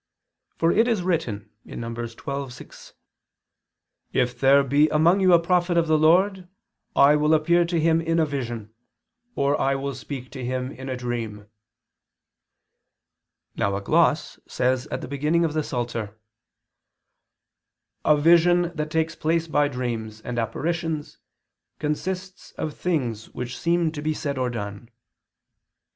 For it is written (Num. 12:6): "If there be among you a prophet of the Lord, I will appear to him in a vision, or I will speak to him in a dream." Now a gloss says at the beginning of the Psalter, "a vision that takes place by dreams and apparitions consists of things which seem to be said or done."